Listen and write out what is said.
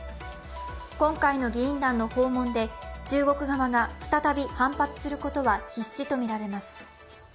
今回の議員団の訪問で中国側が再び反発することは必至とみられます。